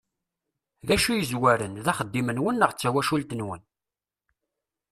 D acu i yezwaren, d axeddim-nwen neɣ d tawacult-nwen?